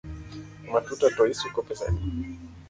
Matuta to isuko pesa adi?